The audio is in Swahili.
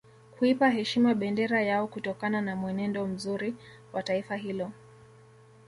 Kuipa heshima bendera yao kutokana na mwenendo mzuri wa taifa hilo